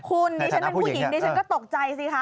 คุณดิฉันเป็นผู้หญิงดิฉันก็ตกใจสิคะ